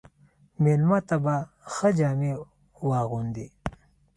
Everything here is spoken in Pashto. مېلمه ته به ښه جامې واغوندې.